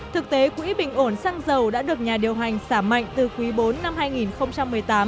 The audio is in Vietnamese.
thực tế quỹ bình ổn xăng dầu đã được nhà điều hành xả mạnh từ quý bốn năm hai nghìn một mươi tám